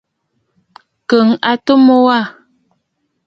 Kɔɔ atu mu wâ.